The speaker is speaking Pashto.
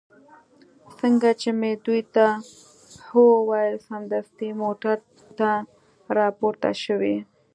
څنګه چې مې دوی ته هو وویل، سمدستي موټر ته را پورته شوې.